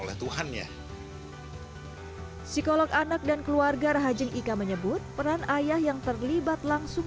oleh tuhan ya psikolog anak dan keluarga rahajeng ika menyebut peran ayah yang terlibat langsung